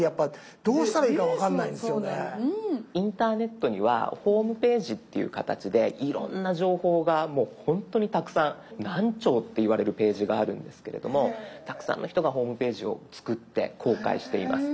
インターネットにはホームページっていう形でいろんな情報がもうほんとにたくさん何兆っていわれるページがあるんですけれどもたくさんの人がホームページを作って公開しています。